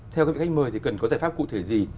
theo các vị khách mời thì cần có giải pháp cụ thể gì